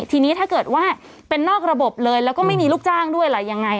ทีนี้ถ้าเกิดว่าเป็นนอกระบบเลยแล้วก็ไม่มีลูกจ้างด้วยล่ะยังไง